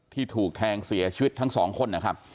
ที่ถูกแทงเสียชีวิตทั้งสองคน